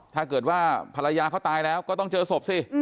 ถ้าเกิดว่าภรรยาเขาตายแล้วก็ต้องเจอศพสิ